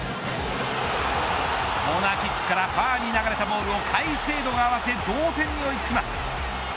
コーナーキックからファーに流れたボールをカイセードが合わせ同点に追いつきます。